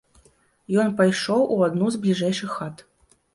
Ён пайшоў у адну з бліжэйшых хат.